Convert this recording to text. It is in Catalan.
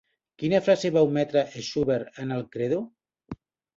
Quina frase va ometre Schubert en el Credo?